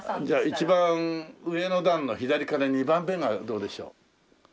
じゃあ一番上の段の左から２番目がどうでしょう。